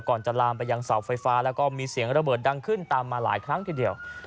จะลามไปยังเสาไฟฟ้าแล้วก็มีเสียงระเบิดดังขึ้นตามมาหลายครั้งทีเดียว